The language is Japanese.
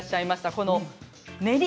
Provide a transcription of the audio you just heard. この練り。